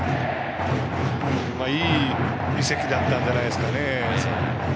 いい移籍だったんじゃないですかね。